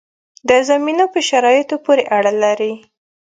د زمینو په شرایطو پورې اړه لري.